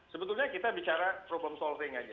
sebetulnya kita bicara problem solving aja